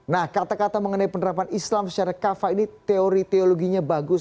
nah kata kata mengenai penerapan islam secara kafa ini teori teologinya bagus